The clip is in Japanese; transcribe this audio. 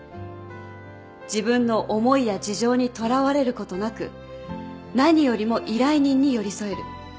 自分の思いや事情にとらわれることなく何よりも依頼人に寄り添える。